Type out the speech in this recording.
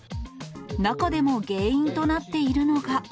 中でも原因となっているのが。